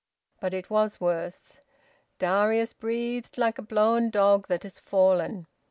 But it was worse. Darius breathed like a blown dog that has fallen.